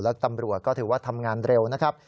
และตำรวจก็ถือว่าทำงานเร็วนะครับ